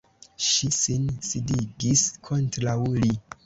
Ŝi sin sidigis kontraŭ li.